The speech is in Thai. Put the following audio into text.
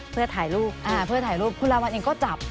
เพื่อถ่ายรูปคุณละวันเองก็จับ